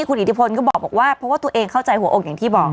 คุณอิทธิพลก็บอกว่าเพราะว่าตัวเองเข้าใจหัวอกอย่างที่บอก